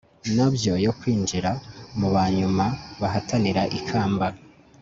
nabyo yo kwinjira mu banyuma bahatanira ikamba